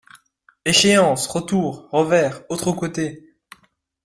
Échéance! retour ! revers ! autre côté !